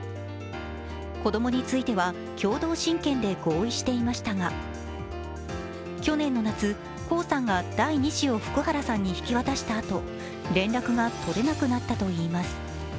子供については共同親権で合意していましたが、去年の夏、江さんが第２子を福原さんに引き渡したあと連絡が取れなくなったといいます。